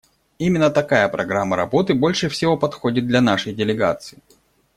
Именно такая программа работы больше всего подходит для нашей делегации.